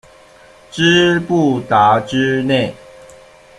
芝布达之内。